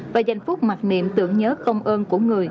và giành phúc mặc niệm tượng nhớ công ơn của người